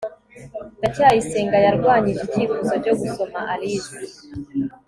ndacyayisenga yarwanyije icyifuzo cyo gusoma alice